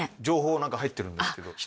情報何か入ってるんですけど。